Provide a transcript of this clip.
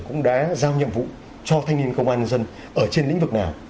cũng đã giao nhiệm vụ cho thanh niên công an nhân dân ở trên lĩnh vực nào